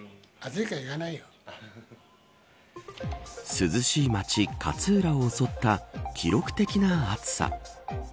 涼しい町、勝浦を襲った記録的な暑さ。